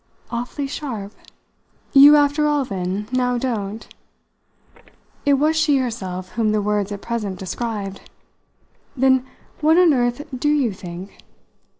"Awfully sharp?" "You after all then now don't?" It was she herself whom the words at present described! "Then what on earth do you think?"